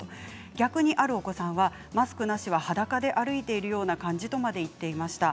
逆にあるお子さんはマスクなしは裸で歩いているような感じ、とまで言っていました。